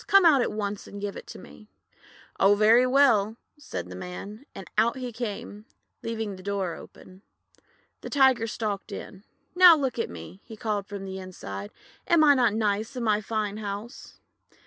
Come out at once and give it to me." ;<Oh, very well," said the Man, and out he came, leaving the door open. The Tiger stalked in. "Now look at me!' he called from inside. "Am I not nice in my fine house?'